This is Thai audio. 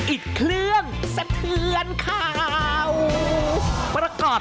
อิตเคลื่องเสธือนเก่า